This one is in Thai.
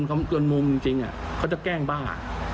เขาจนมุมจริงเขาจะแกล้งบ้า